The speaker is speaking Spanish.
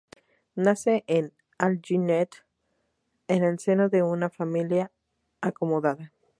Nace en Alginet en el seno de una familia acomodada.